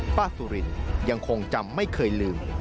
สุรินยังคงจำไม่เคยลืม